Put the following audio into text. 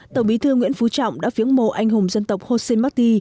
tổng bí thư nguyễn phú trọng đã phiếng mộ anh hùng dân tộc josé martí